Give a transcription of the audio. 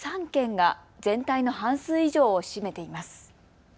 ３県が全体の半数以上を占めています。